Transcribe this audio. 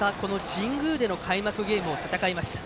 神宮での開幕ゲームを戦いました。